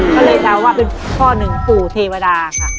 ก็เลยเดาว่าเป็นพ่อหนึ่งปู่เทวดาค่ะ